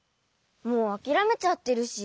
もうあきらめちゃってるし。